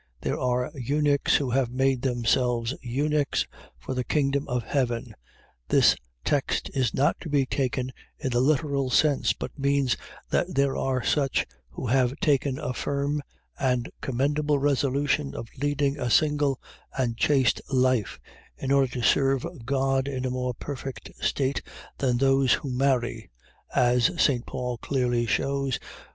There are eunuchs, who have made themselves eunuchs, for the kingdom of heaven. . .This text is not to be taken in the literal sense; but means, that there are such, who have taken a firm and commendable resolution of leading a single and chaste life, in order to serve God in a more perfect state than those who marry: as St. Paul clearly shews.